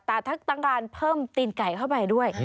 แต่ถ้าตั้งร้านเพิ่มตีนไก่เข้าไปด้วย